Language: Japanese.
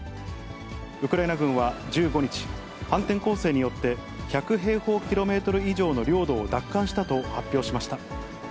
ウクライナ軍は１５日、反転攻勢によって、１００平方キロメートル以上の領土を奪還した発表しました。